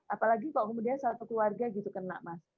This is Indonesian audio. apalagi kalau kemudian satu keluarga gitu kena mas